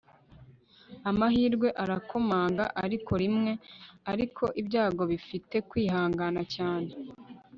amahirwe arakomanga ariko rimwe, ariko ibyago bifite kwihangana cyane